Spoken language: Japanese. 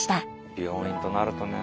病院となるとね